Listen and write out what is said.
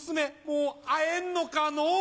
もう会えんのかのう。